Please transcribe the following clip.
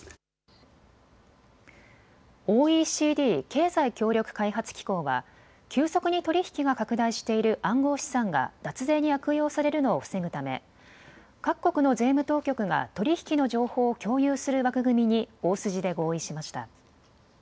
ＯＥＣＤ・経済協力開発機構は急速に取り引きが拡大している暗号資産が脱税に悪用されるのを防ぐため各国の税務当局が取り引きの情報を共有する枠組みに大筋で合意しました。